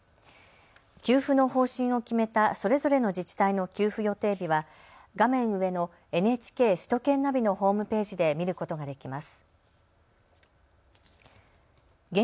給付の方針を決めたそれぞれの自治体の給付予定日は画面上のＮＨＫ首都圏ナビのホームページで見ることができます。